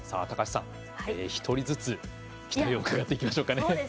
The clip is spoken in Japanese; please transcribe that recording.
高橋さん、１人ずつ期待を伺っていきましょうか。